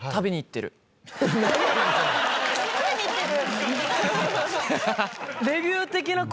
食べに行ってる？